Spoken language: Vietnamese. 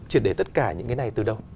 triệt để tất cả những cái này từ đâu